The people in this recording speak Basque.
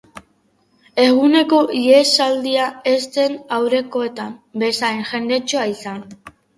Eguneko ihesaldia ez zen aurrekoetan bezain jendetsua izan.